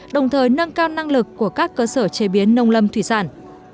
đồng thời nâng cao năng lực của các cơ sở chế biến nông lâm thủy sản